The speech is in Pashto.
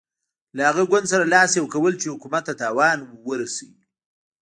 له هغه ګوند سره لاس یو کول چې حکومت ته تاوان ورسوي.